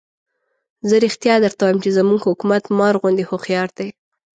زه رښتیا درته وایم چې زموږ حکومت مار غوندې هوښیار دی.